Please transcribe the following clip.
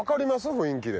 雰囲気で。